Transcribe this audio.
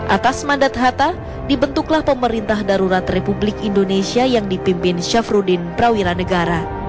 atas mandat hatta dibentuklah pemerintah darurat republik indonesia yang dipimpin syafruddin prawira negara